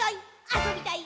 あそびたい！